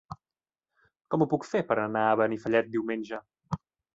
Com ho puc fer per anar a Benifallet diumenge?